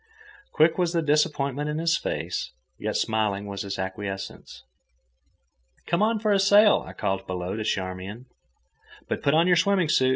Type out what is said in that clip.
Quick was the disappointment in his face, yet smiling was the acquiescence. "Come on for a sail," I called below to Charmian. "But put on your swimming suit.